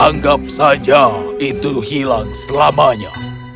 anggap saja itu hilang selamanya